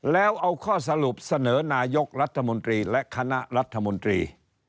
แล้วเอาข้อสรุปเสนอนายกรัฐมนตรีและคณะรัฐมนตรี